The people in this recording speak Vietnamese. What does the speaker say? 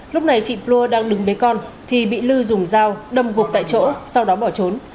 lúc này chị plua đang đứng bế con thì bị lư dùng dao đâm gục tại chỗ sau đó bỏ trốn